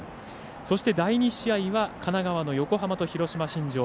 そして第２試合は神奈川の横浜と広島新庄。